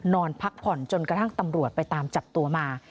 นอนพักผ่อนจนกระทั่งตำรวจไปตามจับตัวมา